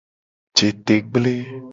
Jete gble.